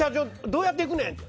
どうやって行くねんって。